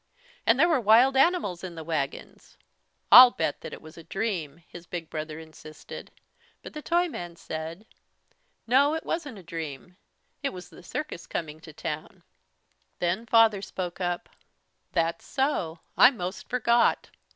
And there were wild animals in the wagons." "I'll bet that was a dream," his big brother insisted, but the Toyman said: "No, it wasn't a dream, it was the circus coming to town." Then Father spoke up: "That's so, I most forgot."